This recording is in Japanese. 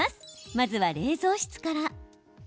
まずは冷蔵室から。